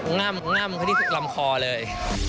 ง่ำที่ทุกลำคอเลย